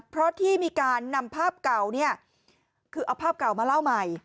เพราะที่มีการนำภาพเก่าเนี่ยคือเอาภาพเก่ามาเล่าใหม่